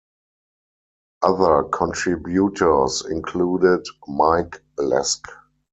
Other contributors included Mike Lesk.